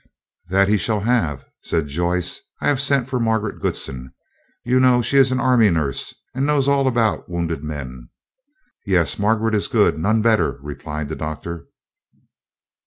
"That he shall have," said Joyce. "I have sent for Margaret Goodsen. You know she is an army nurse, and knows all about wounded men." "Yes, Margaret is good, none better," replied the Doctor.